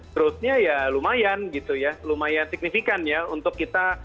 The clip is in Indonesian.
growth nya ya lumayan gitu ya lumayan signifikan ya untuk kita